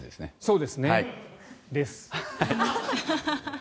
そうですね。です。